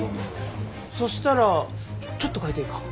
そしたらちょっと描いていいか？